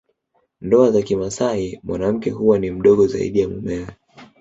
Ndoa za kimasai mwanamke huwa ni mdogo zaidi ya mumewe